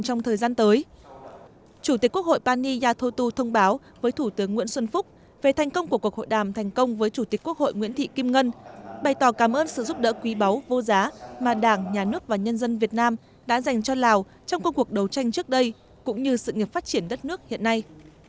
chủ tịch quốc hội pani yatotu thông báo với chủ tịch quốc hội nguyễn xuân phúc đồng thời bày tỏ cảm ơn sự nghiệp phát triển đất nước hiện nay